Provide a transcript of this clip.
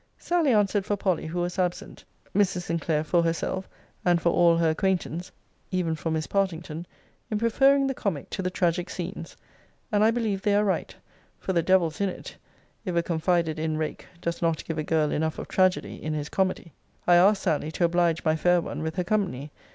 Sally answered for Polly, who was absent; Mrs. Sinclair for herself, and for all her acquaintance, even for Miss Partington, in preferring the comic to the tragic scenes. And I believe they are right; for the devil's in it, if a confided in rake does not give a girl enough of tragedy in his comedy. 'I asked Sally to oblige my fair one with her company.